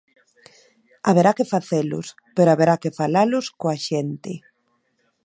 Haberá que facelos, pero haberá que falalos coa xente.